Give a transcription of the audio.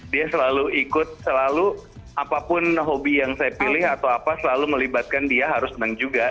dia selalu ikut selalu apapun hobi yang saya pilih atau apa selalu melibatkan dia harus senang juga